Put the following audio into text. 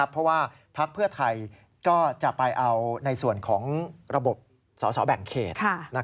เพราะว่าพักเพื่อไทยก็จะไปเอาในส่วนของระบบสอสอแบ่งเขต